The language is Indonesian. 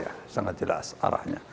dan itu sangat jelas arahnya